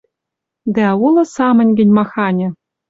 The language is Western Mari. Дӓ, улы самынь гӹнь маханьы